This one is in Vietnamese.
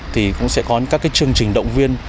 thì cũng sẽ có các chương trình động viên